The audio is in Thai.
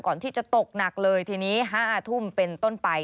ก่อนที่จะตกหนักเลยทีนี้๕ทุ่มเป็นต้นไป